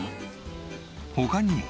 他にも。